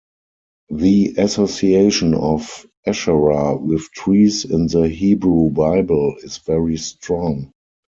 The association of Asherah with trees in the Hebrew Bible is very strong.